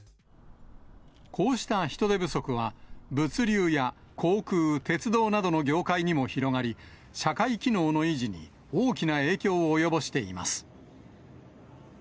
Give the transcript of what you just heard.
こうした人手不足は、物流や航空、鉄道などの業界にも広がり、社会機能の維持に大きな影響を及ぼしています。